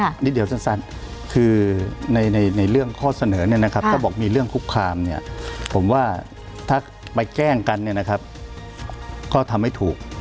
นิดเดียวสั้นคือในเรื่องข้อเสนอเนี่ยนะครับถ้าบอกมีเรื่องคุกคามเนี่ยผมว่าถ้าไปแกล้งกันเนี่ยนะครับก็ทำไม่ถูก